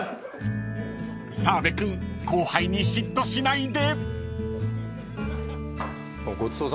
［澤部君後輩に嫉妬しないで］